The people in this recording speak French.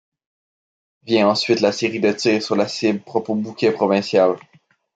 Vient ensuite la série de tirs sur la cible propre au bouquet provincial.